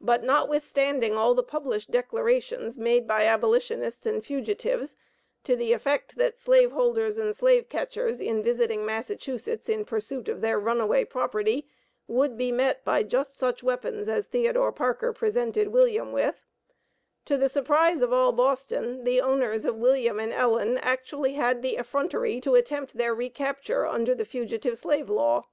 But, notwithstanding all the published declarations made by abolitionists and fugitives, to the effect, that slave holders and slave catchers in visiting Massachusetts in pursuit of their runaway property, would be met by just such weapons as Theodore Parker presented William with, to the surprise of all Boston, the owners of William and Ellen actually had the effrontery to attempt their recapture under the Fugitive Slave Law.